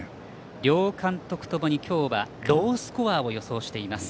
両監督ともに今日はロースコアを予想しています。